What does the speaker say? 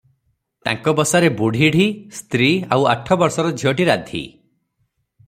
ତାଙ୍କ ବସାରେ ବୁଢୀଢ଼ୀ, ସ୍ତ୍ରୀ ଆଉ ଆଠ ବର୍ଷର ଝିଅଟି ରାଧୀ ।